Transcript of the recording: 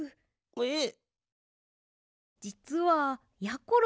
えっ！？